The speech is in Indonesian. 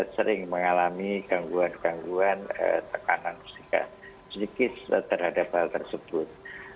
sering mengalami gangguan gangguan tekanan psikis terhadap hal tersebut